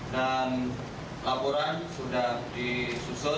dan laporan sudah disusun